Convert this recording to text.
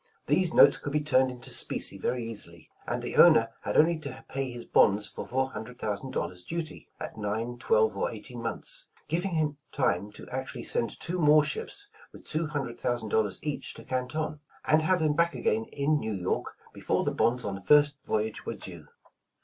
These notes could be turned into specie very easily, and the owner had only to pay his bonds for four hundred thousand dollars duty, at nine, twelve or eighteen months, giving him t^me to actually send two more ships with two hundred thousand dollars each to Canton, and have them back again in New York before the bonds on the first voyage were due.